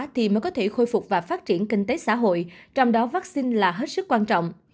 thì mới có thể khôi phục và phát triển kinh tế xã hội trong đó vaccine là hết sức quan trọng